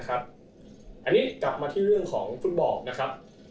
อันนี้กลับมาที่เรื่องของฟุตบอลนะครับ